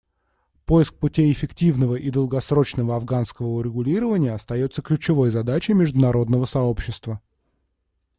Поиск путей эффективного и долгосрочного афганского урегулирования остается ключевой задачей международного сообщества.